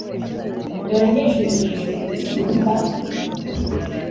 dore n ijuru ijuru risumba